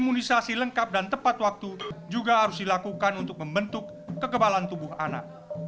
imunisasi lengkap dan tepat waktu juga harus dilakukan untuk membentuk kekebalan tubuh anak